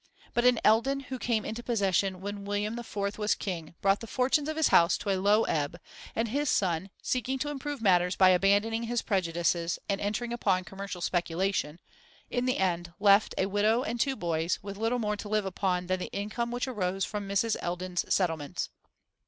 But an Eldon who came into possession when William IV. was King brought the fortunes of his house to a low ebb, and his son, seeking to improve matters by abandoning his prejudices and entering upon commercial speculation, in the end left a widow and two boys with little more to live upon than the income which arose from Mrs. Eldon's settlements.